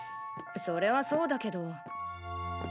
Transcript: それはそうだけど。